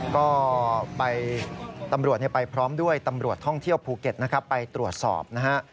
ก็ไปตำรวจไปพร้อมด้วยตำรวจท่องเที่ยวภูเก็ตนะครับไปตรวจสอบนะฮะ